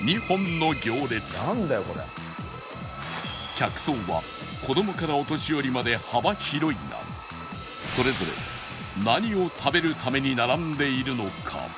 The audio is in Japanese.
客層は子供からお年寄りまで幅広いがそれぞれ何を食べるために並んでいるのか？